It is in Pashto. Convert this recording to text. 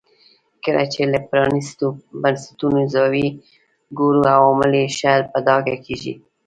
کله چې له پرانیستو بنسټونو زاویې ګورو عوامل یې ښه په ډاګه کېږي.